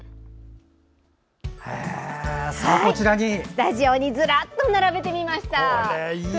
スタジオにずらっと並べてみました。